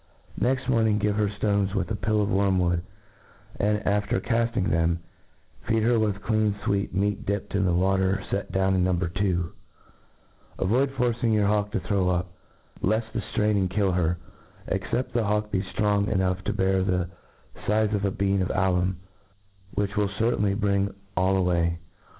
Next morning, give her ftone$, with a pill of ^ worm*wood ; and^ after caftii^ them, feed her with clean fweet meat dipped in the water let down in Ko 2^ AvcHd Modern faulconry* ^49 Avoid forcing your hawk to throw' up, left the ftraining kUl her j except the hawk be ftrong e^ hough to bear the fize of a bean of aluni, which will certainly bring all away.